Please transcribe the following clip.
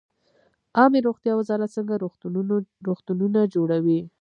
عامې روغتیا وزارت څنګه روغتونونه جوړوي؟